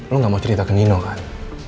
lo gak mau cerita ke nino kan